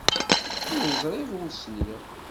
Ur ẓriɣ ur sliɣ.